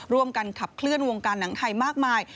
ร่วมกันขับเคลื่อนวงการหนังไทยมากมาย